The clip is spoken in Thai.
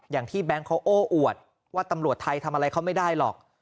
อย่างที่แบงค์โอ้อวอดว่าตำรวจไทยทำอะไรเขาไม่ได้หรอก